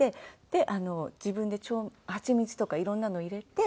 で自分で蜂蜜とかいろんなの入れて。